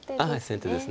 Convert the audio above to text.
先手です。